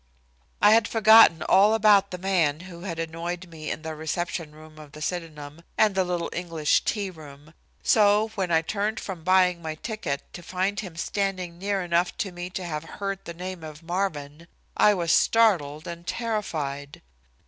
I had forgotten all about the man who had annoyed me in the reception room of the Sydenham, and the little English tea room, so, when I turned from buying my ticket to find him standing near enough to me to have heard the name of Marvin, I was startled and terrified.